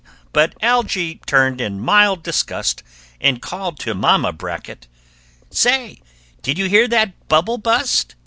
But Algy turned in mild disgust, And called to Mama Bracket, "Say, did you hear that bubble bu'st?